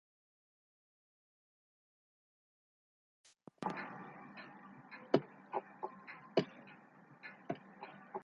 Estos tenían una capacidad de llevar tres toneladas.